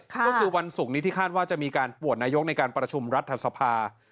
ก็คือวันศุกร์นี้ที่คาดว่าจะมีการปวดนายกในการประชุมรัฐสภา